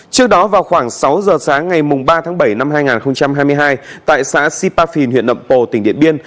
trước đó vào khoảng sáu giờ sáng ngày ba tháng bảy năm hai nghìn hai mươi hai tại xã sipafin huyện nậm pồ tỉnh điện biên